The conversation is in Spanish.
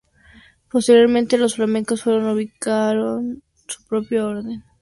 Posteriormente los flamencos fueron ubicaron en su propio orden.